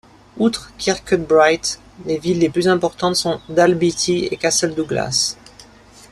Outre Kirkcudbright, les villes les plus importantes sont Dalbeattie et Castle Douglas.